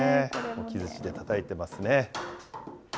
木づちでたたいてますね。